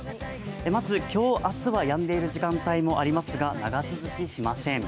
まず今日、明日はやんでいる時間帯もありますが長続きしません。